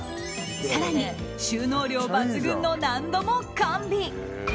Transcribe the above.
更に、収納量抜群の納戸も完備。